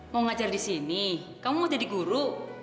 mau ngajar di sini kamu mau jadi guru